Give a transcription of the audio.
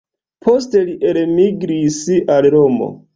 Poste li elmigris al Romo.